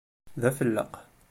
D afelleq.